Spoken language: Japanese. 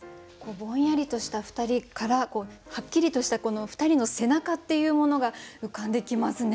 ぼんやりとした２人からはっきりとした２人の背中っていうものが浮かんできますね。